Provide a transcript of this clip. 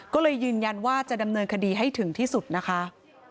ก็เลยยืนยันว่าจะดำเนินคดีให้ถึงที่สุดนะคะ